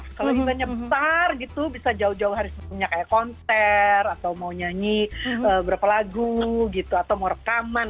kalau eventnya besar gitu bisa jauh jauh hari punya kayak konser atau mau nyanyi berapa lagu gitu atau mau rekaman